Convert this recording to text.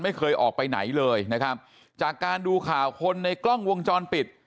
ไม่เคยออกไปไหนเลยนะครับจากการดูข่าวคนในกล้องวงจรปิด